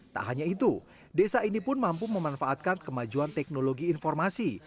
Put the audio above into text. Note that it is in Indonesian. tak hanya itu desa ini pun mampu memanfaatkan kemajuan teknologi informasi